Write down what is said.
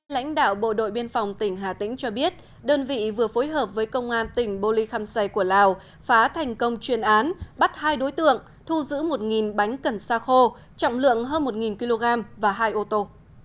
lãnh đạo bộ đội biên phòng tỉnh hà tĩnh cho biết đơn vị vừa phối hợp với công an tỉnh bô ly khăm say của lào phá thành công chuyên án bắt hai đối tượng thu giữ một bánh cần sa khô trọng lượng hơn một kg và hai ô tô